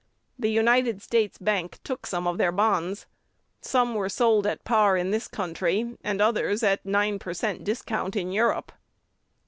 The United States Bank took some of their bonds. Some were sold at par in this country, and others at nine per cent discount in Europe.